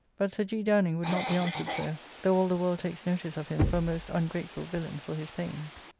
But Sir G. Downing would not be answered so: though all the world takes notice of him for a most ungrateful villain for his pains.